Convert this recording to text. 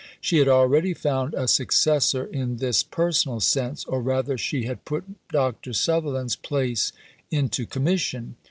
She had already found a successor in this personal sense, or rather she had put Dr. Sutherland's place into commission.